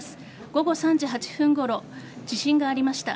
午後３時８分ごろ地震がありました。